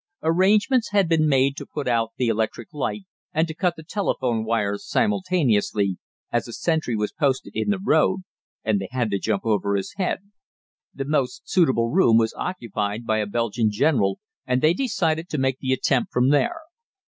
Arrangements had been made to put out the electric light and to cut the telephone wires simultaneously, as a sentry was posted in the road and they had to jump over his head. The most suitable room was occupied by a Belgian general, and they decided to make the attempt from there.